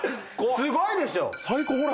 すごいでしょ！